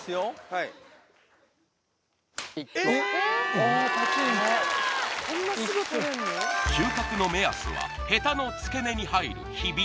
はい収穫の目安はヘタの付け根に入るヒビ